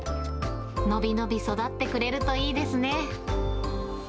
伸び伸び育ってくれるといいですね。